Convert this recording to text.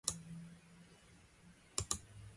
Сделав предостерегающее суровое лицо, я наклонился к нему.